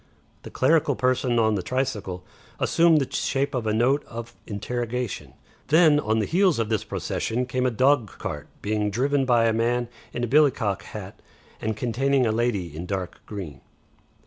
The clerical person on the tricycle assumed the shape of a note of interrogation. Then on the heels of this procession came a dogcart driven by a man in a billycock hat and containing a lady in dark green.